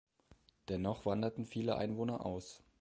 Dennoch wanderten viele Einwohner aus.